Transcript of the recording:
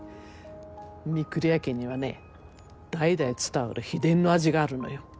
御厨家にはね代々伝わる秘伝の味があるのよ。